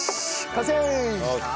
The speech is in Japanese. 完成！